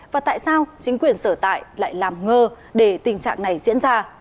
và tại sao chính quyền sở tại lại làm ngơ để tình trạng này diễn ra